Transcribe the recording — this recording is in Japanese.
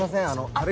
あれ？